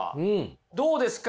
どうですか？